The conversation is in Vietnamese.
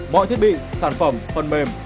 mọi thiết bị sản phẩm phần mềm